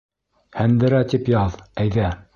Һәндерә тип яҙ, әйҙә.